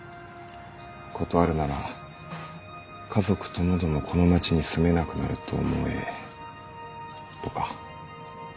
断るなら家族ともどもこの街に住めなくなると思えとか。